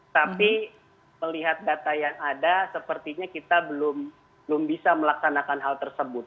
tapi melihat data yang ada sepertinya kita belum bisa melaksanakan hal tersebut